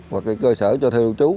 và cơ sở cho thư lưu trú